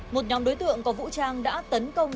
một nhóm đối tượng có vũ trang đã tấn công